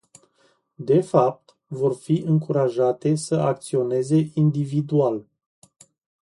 De fapt, vor fi încurajate să acționeze individual.